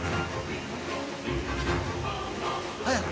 早く！